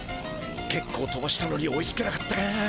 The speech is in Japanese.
けっこうとばしたのに追いつけなかったか。